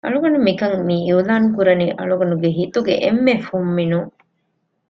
އަޅުގަނޑު މިކަން މިއިއުލާންކުރަނީ އަޅުގަނޑުގެ ހިތުގެ އެންމެ ފުންމިނުން